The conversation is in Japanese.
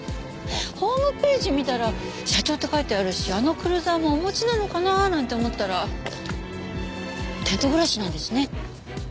ホームページ見たら社長って書いてあるしあのクルーザーもお持ちなのかななんて思ったらテント暮らしなんですね。